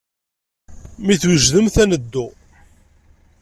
Mi twejdemt, ad neddu.